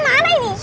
gak kemana ini